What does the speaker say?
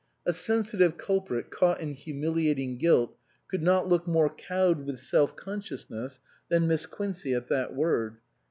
A sensitive culprit caught in humiliating guilt could not look more cowed with self conscious ness than Miss Quincey at that word.